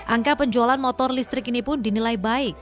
angka penjualan motor listrik ini pun dinilai baik